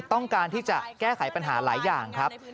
ต้องการที่จะแก้ไขปัญหาหลายอย่างครับ